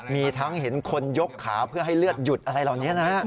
มีทั้งเห็นคนยกขาเพื่อให้เลือดหยุดอะไรเหล่านี้นะฮะ